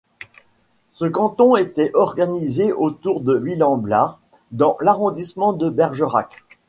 Ce canton était organisé autour de Villamblard dans l'arrondissement de Bergerac.